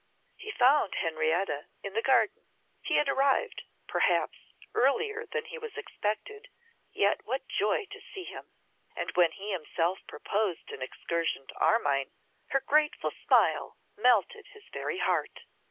He found Henrietta in the garden. He had arrived, perhaps, earlier than he was expected; yet what joy to see him! And when he himself proposed an excursion to Armine, her grateful smile melted his very heart.